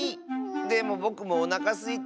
でもぼくもおなかすいた。